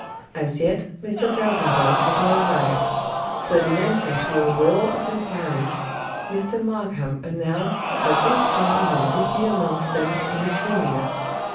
As yet Mr. FELSENBURGH had not arrived; but in answer to a roar of inquiry, Mr. MARKHAM announced that this gentleman would be amongst them in a few minutes.